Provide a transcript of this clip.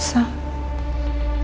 kasian banget rosa